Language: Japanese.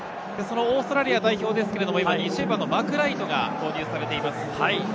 オーストラリア代表ですが、今、２０番のマクライトが投入されています。